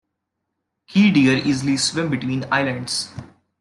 Key deer easily swim between islands.